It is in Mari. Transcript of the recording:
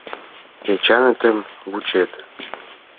Эчанетым вучет?